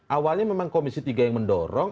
awalnya memang komisi tiga yang mendorong